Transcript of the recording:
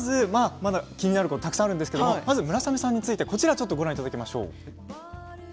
まだ気になることたくさんあるんですが村雨さんについてこちらをご覧いただきましょう。